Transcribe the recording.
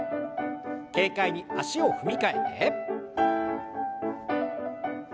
軽快に足を踏み替えて。